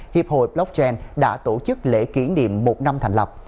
hiệp hội blockchain đã tổ chức lễ kỷ niệm một năm thành lập